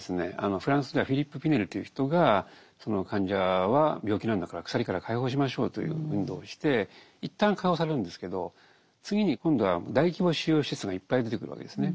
フランスではフィリップ・ピネルという人が患者は病気なんだから鎖から解放しましょうという運動をして一旦解放されるんですけど次に今度は大規模収容施設がいっぱい出てくるわけですね。